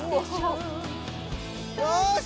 よし！